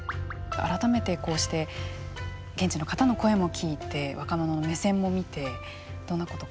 改めてこうして現地の方の声も聞いて若者の目線も見てどんなこと感じてらっしゃいますか？